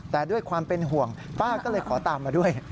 แต่ด้วยความเป็นห่วงป้าก็เลยขอตามมาด้วย